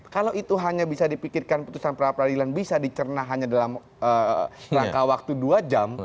kalau itu hanya bisa dipikirkan putusan pra peradilan bisa dicerna hanya dalam rangka waktu dua jam